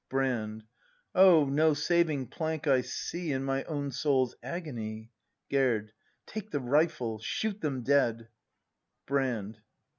Brand. Oh, no saving plank I see. In my own soul's agony! Gerd. Take the rifle! Shoot them dead— Brand.